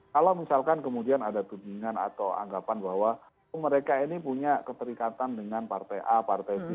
kalau misalkan kemudian ada tudingan atau anggapan bahwa mereka ini punya keterikatan dengan partai a partai b